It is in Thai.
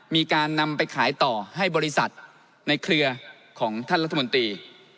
มีการนำไปขายต่อให้บริษัทในเครือของท่านรัฐมนตรี